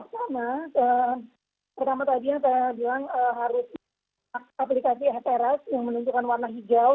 pertama tadi yang saya bilang harus aplikasi eteras yang menunjukkan warna hijau